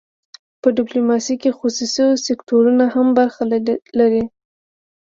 په دې ډیپلوماسي کې خصوصي سکتورونه هم برخه لري